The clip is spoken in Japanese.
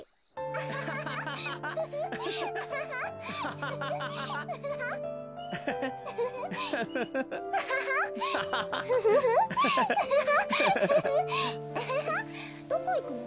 アハハどこいくの？